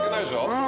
うん。